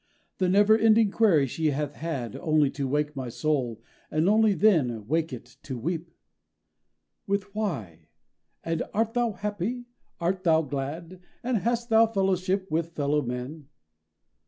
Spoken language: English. The never ending query she hath had Only to wake my Soul, and only then Wake it to weep? With 'Why?' and '_Art thou happy? Art thou glad? And hast thou fellowship with fellow men?